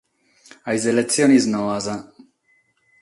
A sas eletziones noas.